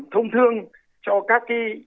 thông thương cho các